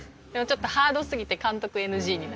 ちょっとハードすぎて監督ＮＧに。